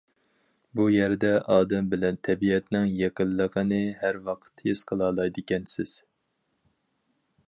بۇ يەردە ئادەم بىلەن تەبىئەتنىڭ يېقىنلىقىنى ھەر ۋاقىت ھېس قىلالايدىكەنسىز.